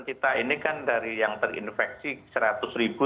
kita ini kan dari yang terinfeksi seratus ribu